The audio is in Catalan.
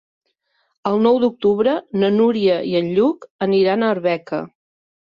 El nou d'octubre na Núria i en Lluc aniran a Arbeca.